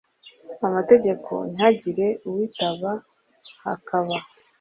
amategeko ntihagire uwitaba hakaba